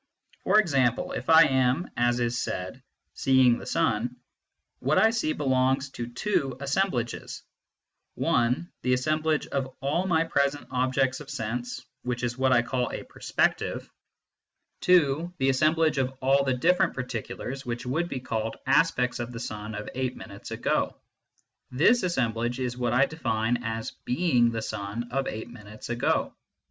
For example, if I am (as is said) seeing the sun, what I see belongs to two assemblages : (i) the assemblage of all my present objects of sense, which is *vhat 1 caiJ a " perspective "; i 4 o MYSTICISM AND LOGIC (2) the assemblage of all the different particulars which would be called aspects of the sun of eight minutes ago this assemblage is what I define as being the sun oi eight minutes ago.